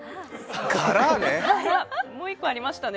もう一個ありましたね。